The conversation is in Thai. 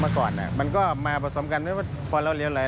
เมื่อก่อนมันก็มาผสมกันไม่ว่าพอเราเรียวไหล